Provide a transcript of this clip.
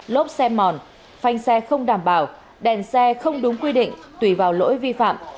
lốp xe mòn phanh xe không đảm bảo đèn xe không đúng quy định tùy vào lỗi vi phạm